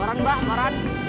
koran mbak koran